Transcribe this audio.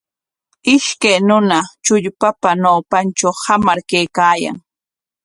Ishkay runa chukllapa ñawpantraw hamar kaykaayan.